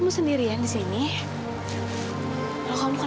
itu kereta elok itu bbecause